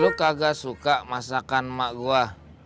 lo kagak suka masakan emak gua